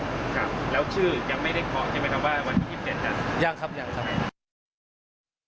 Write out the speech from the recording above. ครับแล้วชื่อยังไม่ได้ขอใช่ไหมครับว่าวันที่๒๗นั้น